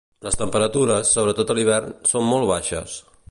Les temperatures, sobretot a l'hivern, són molt baixes.